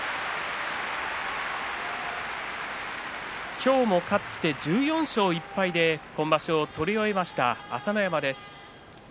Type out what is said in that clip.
今日も勝って１４勝１敗で今場所を取り終えました朝乃山です。